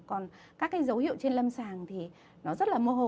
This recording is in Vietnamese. còn các cái dấu hiệu trên lâm sàng thì nó rất là mơ hồ